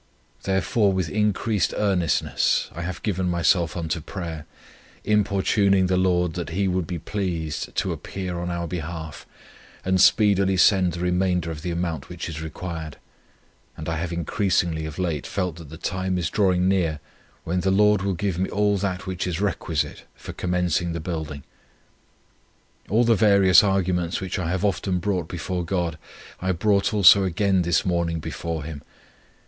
Therefore with increased earnestness I have given myself unto prayer, importuning the Lord that He would be pleased to appear on our behalf, and speedily send the remainder of the amount which is required, and I have increasingly, of late, felt that the time is drawing near, when the Lord will give me all that which is requisite for commencing the building. All the various arguments which I have often brought before God, I brought also again this morning before Him.